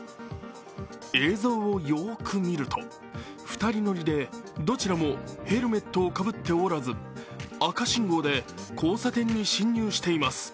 映像をよく見ると２人乗りでどちらもヘルメットをかぶっておらず赤信号で交差点に進入しています。